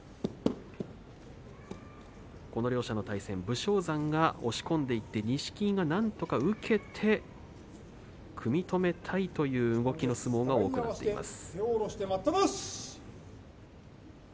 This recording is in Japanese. この両者の対戦、武将山が押し込んでいって錦木が、なんとか受けて組み止めたいという動きの相撲が多くなっています。